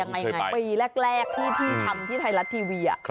ปีแรกที่ทำที่ไทยรัฐทีวี